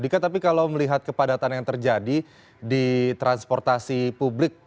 dika tapi kalau melihat kepadatan yang terjadi di transportasi publik